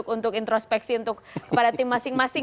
untuk introspeksi untuk kepada tim masing masing